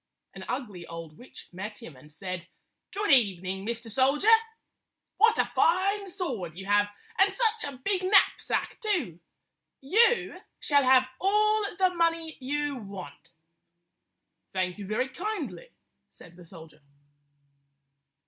An ugly old witch met him and said, "Good evening, Mr. Soldier! What a fine sword you have, and such a big knapsack, too! You shall have all the money you want." "Thank you very kindly," said the soldier.